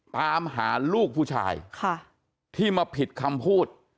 ตามหาลูกผู้ชายที่มาผิดคำพูด